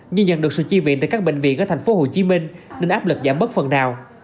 nhưng nhận được sự chi viện từ các bệnh viện ở thành phố hồ chí minh nên áp lực giảm bớt phần nào